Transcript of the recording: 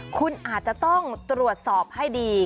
คุณอาจจะต้องตรวจสอบให้ดี